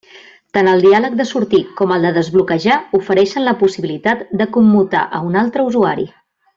Tant el diàleg de sortir com el de desbloquejar ofereixen la possibilitat de commutar a un altre usuari.